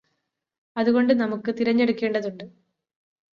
അതുകൊണ്ട് നമുക്ക് തിരഞ്ഞെടുക്കേണ്ടതുണ്ട്